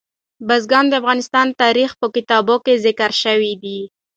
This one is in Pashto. بزګان د افغان تاریخ په کتابونو کې ذکر شوی دي.